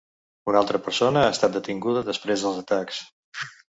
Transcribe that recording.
Una altra persona ha estat detinguda després dels atacs.